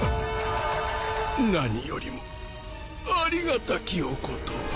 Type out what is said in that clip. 何よりもありがたきお言葉。